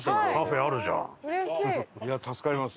いや助かります。